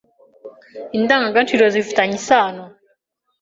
In d a n g a g a ciro zifi tanye isano